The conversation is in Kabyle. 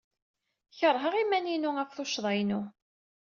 Keṛheɣ iman-inu ɣef tuccḍa-inu.